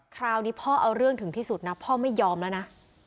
คราวนี้พ่อเอาเรื่องถึงที่สุดนะพ่อไม่ยอมแล้วนะ